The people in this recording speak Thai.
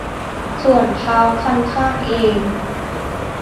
ส่วนท้าวคันคากเอง